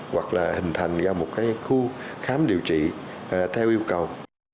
hoặc là hình thành ra một khu khám điều trị theo yêu cầu